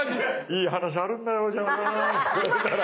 「いい話あるんだよ内山君」って言われたら。